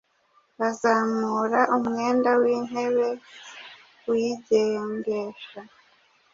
bazamura umwenda w’imbere uyigendesha,